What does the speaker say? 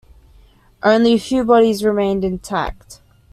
Only a few bodies remained intact.